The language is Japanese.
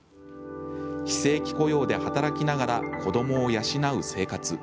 非正規雇用で働きながら子どもを養う生活。